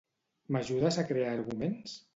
M'ajudes a crear arguments?